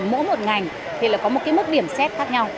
mỗi một ngành thì là có một cái mức điểm xét khác nhau